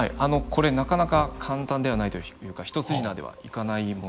これなかなか簡単ではないというか一筋縄ではいかない問題でして。